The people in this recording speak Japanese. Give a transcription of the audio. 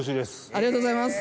ありがとうございます。